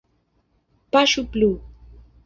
Paŝu plu!